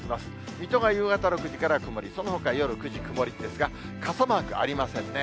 水戸が夕方６時から曇り、そのほか夜９時曇りですが、傘マークありませんね。